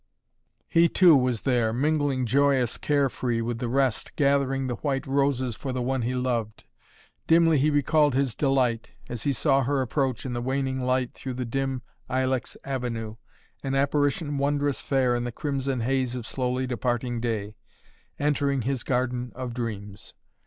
He, too, was there, mingling joyous, carefree, with the rest, gathering the white roses for the one he loved. Dimly he recalled his delight, as he saw her approach in the waning light through the dim ilex avenue, an apparition wondrous fair in the crimson haze of slowly departing day, entering his garden of dreams.